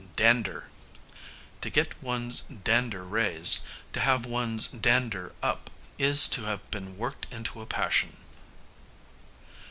Dander; to get one's dander raised, to have one's dander up, is to have been worked into a passion.